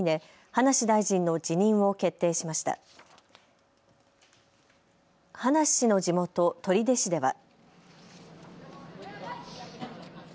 葉梨氏の地元、取手市では。